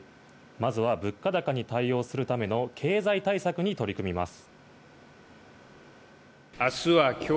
まずは物価高に対応するための経済対策に取り組みます。